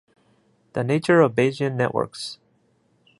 The nature of Bayesian networks.